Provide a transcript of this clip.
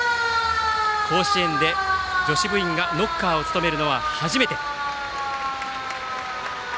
甲子園で女子部員がノッカーを務めるのは初めて。